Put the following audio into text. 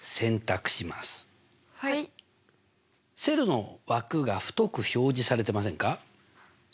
セルの枠が太く表示されてませんか？